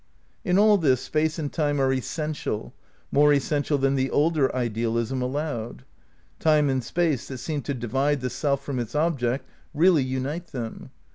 In all this Space and Time are essential, more es sential than the older idealism allowed. Time and space that seem to divide the self from its object really unite them.